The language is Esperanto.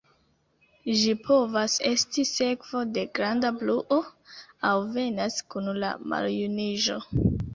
Ĝi povas esti sekvo de granda bruo, aŭ venas kun la maljuniĝo.